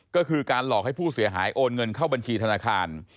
ก็คือการหลอกให้ผู้เสียหายโอนเงินเข้าบัญชีธนาคาร